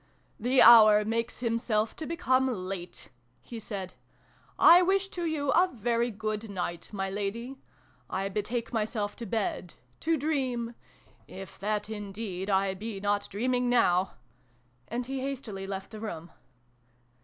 " The hour makes himself to become late," he said. " I wish to you a very good night, my Lady. I betake myself to my bed to dream if that indeed I be not dreaming now !" And he hastily left the room.